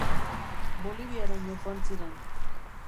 Boliviaraino joan ziren.